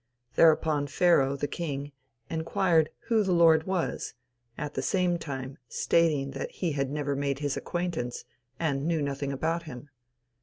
Thereupon Pharaoh, the king, enquired who the Lord was, at the same time stating that he had never made his acquaintance, and knew nothing about him.